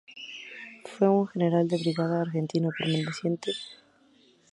Fue un General de Brigada argentino perteneciente al arma de Artillería.